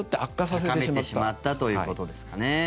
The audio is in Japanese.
高めてしまったということですかね。